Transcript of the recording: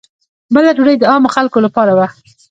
بله ډوډۍ د عامو خلکو لپاره وه.